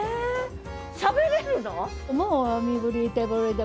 しゃべれるの？